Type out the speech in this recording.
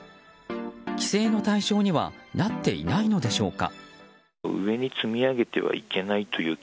規制の対象にはなっていないのでしょうか。